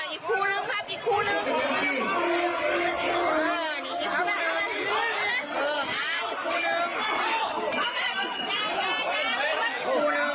อีกคู่นึงครับอีกคู่นึง